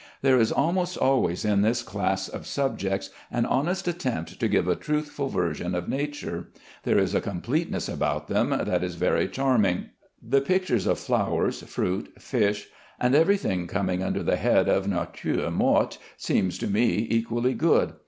There is almost always in this class of subjects an honest attempt to give a truthful version of nature. There is a completeness about them that is very charming. The pictures of flowers, fruit, fish, and every thing coming under the head of nature morte, seem to me equally good.